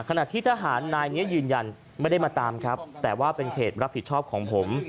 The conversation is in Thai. ขณะที่ทหารนายนี้ยืนยันไม่ได้มาตามครับแต่ว่าเป็นเขตรับผิดชอบของผม